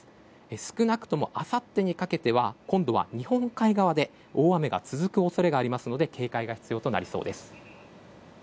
少なくともあさってにかけては今度は日本海側で大雨が続く恐れがありますので警戒が必要となりそうです。